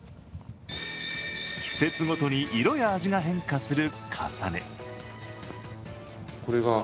季節ごとに色や味が変化するｋａｓａｎｅ。